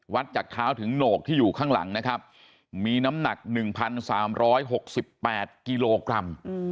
จากเท้าถึงโหนกที่อยู่ข้างหลังนะครับมีน้ำหนัก๑๓๖๘กิโลกรัม